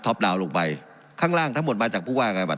ท็อปดาวน์ลงไปข้างล่างทั้งหมดมาจากผู้การแบบ